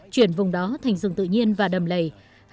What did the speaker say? chuyển vùng đó thành rừng tự nhiên và đầm lầy